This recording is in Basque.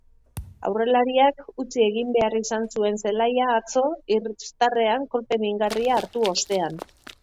Aurrelariak utzi egun behar izan zuen zelaia atzo izterrean kolpe mingarria hartu ostean.